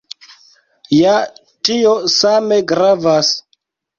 Ja tio same gravas.